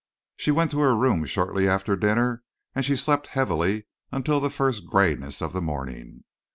She went to her room shortly after dinner, and she slept heavily until the first grayness of the morning.